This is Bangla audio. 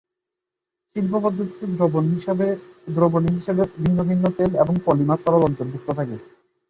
শিল্প পদ্ধতিতে দ্রবণে হিসেবে অনেকগুলো ভিন্ন ভিন্ন তেল এবং পলিমার তরল অন্তর্ভুক্ত থাকে।